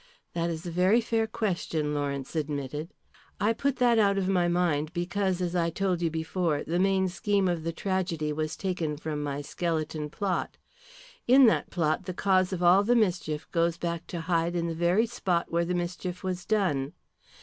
"That is a very fair question," Lawrence admitted. "I put that out of my mind because, as I told you before, the main scheme of the tragedy was taken from my skeleton plot. In that plot the cause of all the mischief goes back to hide in the very spot where the mischief was done.